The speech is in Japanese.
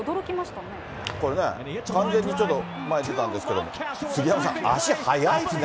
これね、完全にちょっと前に出たんですけれども、杉山さん、足速いですね。